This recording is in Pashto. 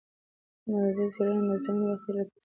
د ماضي څېړنه د اوسني وخت له تاثیره خالي نه ده.